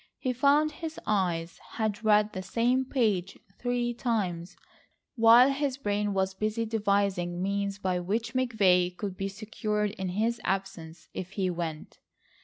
He found his eyes had read the same page three times, while his brain was busy devising means by which McVay could be secured in his absence—if he went.